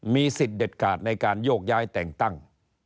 มีสิทธิ์เด็ดขาดในการโยกย้ายแต่งตั้ง